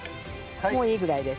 もういいぐらいです。